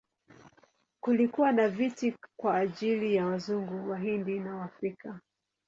Kulikuwa na viti kwa ajili ya Wazungu, Wahindi na Waafrika.